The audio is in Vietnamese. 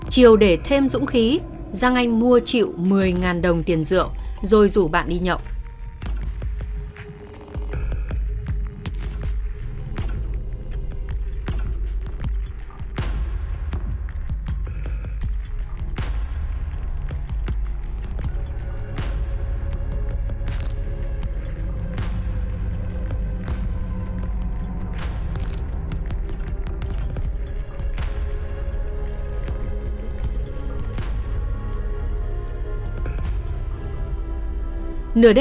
chiều để thêm dũng khí giang anh mua triệu một mươi đồng tiền rượu rồi rủ bạn đi nhậu